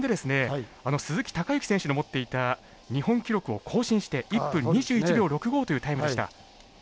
鈴木孝幸選手の持っていた日本記録を更新して１分２１秒６５というタイムでした。